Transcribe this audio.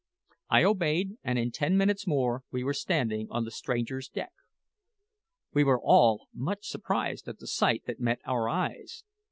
I obeyed, and in ten minutes more we were standing on the stranger's deck. We were all much surprised at the sight that met our eyes.